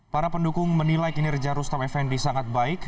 para pendukung menilai kinerja rustam effendi sangat baik